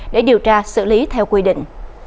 để điều tra xử lý theo quy định